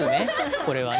これはね。